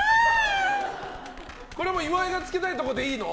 これも岩井がつけたいところでいいの？